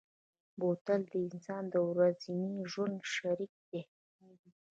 بوتل د انسان د ورځني ژوند شریک دی.